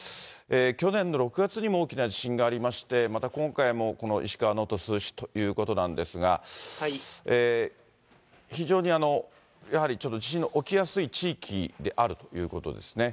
去年の６月にも大きな地震がありまして、また今回もこの石川能登、珠洲市ということなんですが、非常にやはり、地震の起きやすい地域であるということですよね。